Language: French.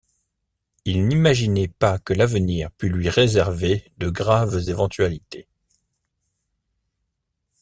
Il n’imaginait pas que l’avenir pût lui réserver de graves éventualités.